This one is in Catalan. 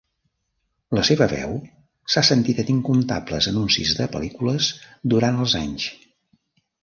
La seva veu s'ha sentit en incomptables anuncis de pel·lícules durant els anys.